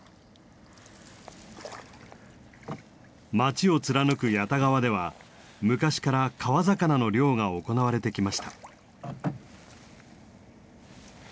町を貫く谷田川では昔から川魚の漁が行われてきました。